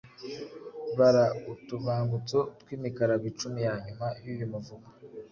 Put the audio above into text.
Bara utubangutso tw’imikarago icumi ya nyuma y’uyu muvugo.